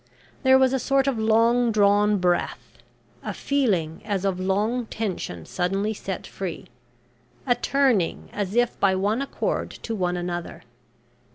There was a sort of long drawn breath, a feeling as of long tension suddenly set free, a turning as if by one accord to one another.